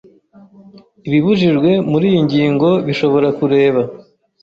Ibibujijwe muri iyi ngingo bishobora kureba